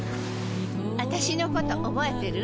あたしのこと覚えてる？